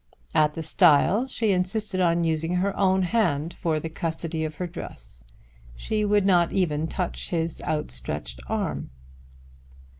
At the stile she insisted on using her own hand for the custody of her dress. She would not even touch his outstretched arm.